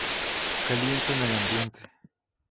Calientan el ambiente.